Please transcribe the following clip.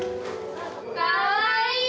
かわいい！